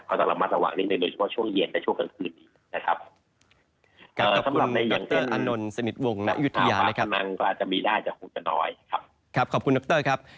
ข้อต่างหลังมาตะวังนิดหน่อยโดยช่วงเย็นและช่วงกลางคืนนี้นะครับ